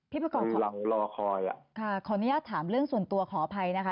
ประกอบกำลังรอคอยอ่ะค่ะขออนุญาตถามเรื่องส่วนตัวขออภัยนะคะ